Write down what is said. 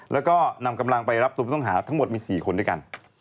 แล้วก็นำกำลังไปรับตัวผู้ต้องหาทั้งหมดมี๔คนด้วยกัน